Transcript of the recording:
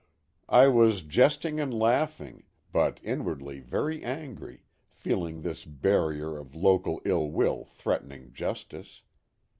I was jesting and laughing, but inwardly very angry, feeling this barrier of local ill will threat ening justice.